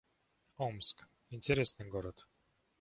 Омск — интересный город